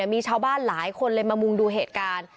มีชาวบ้านหลายคนเลยมามุงดูเหตุการณ์